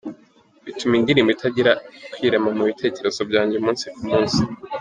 Bituma indirimbo itangira kwirema mu bitekerezo byanjye umunsi ku munsi”.